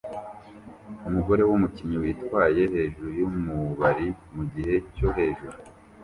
Umugore wumukinnyi witwaye hejuru yumubari mugihe cyo hejuru